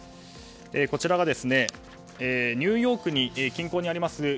こちらはニューヨーク近郊にあります